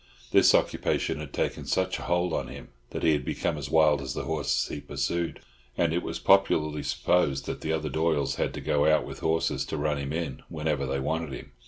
This occupation had taken such hold on him that he had become as wild as the horses he pursued, and it was popularly supposed that the other Doyles had to go out with horses to run him in whenever they wanted him.